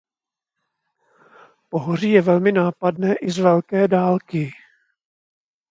Pohoří je velmi nápadné i z velké dálky.